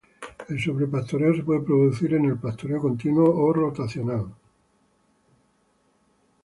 El sobrepastoreo se puede producir en el pastoreo continuo o rotacional.